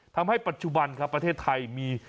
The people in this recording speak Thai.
ทำให้ปัจจุบันครับประเทศไทยมี